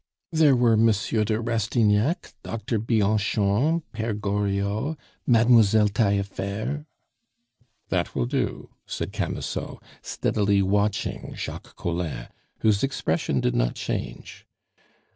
"There were Monsieur de Rastignac, Doctor Bianchon, Pere Goriot, Mademoiselle Taillefer " "That will do," said Camusot, steadily watching Jacques Collin, whose expression did not change.